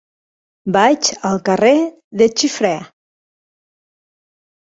Vaig al carrer de Xifré.